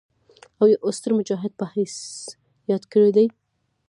او يو ستر مجاهد پۀ حييث ياد کړي دي